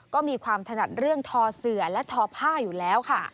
ก็มีความถนัดเรื่องทอเสือและทอผ้าอยู่แล้วค่ะ